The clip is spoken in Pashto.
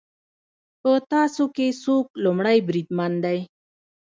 په تاسو کې څوک لومړی بریدمن دی